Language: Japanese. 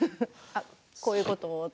こういうことと。